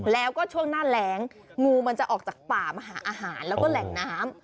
แล้วก็ช่วงหน้าแรงงูมันจะออกจากป่ามาหาอาหารแล้วก็แหล่งน้ำ